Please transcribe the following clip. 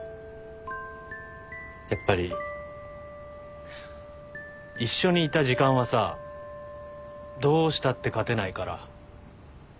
やっぱり一緒にいた時間はさどうしたって勝てないから。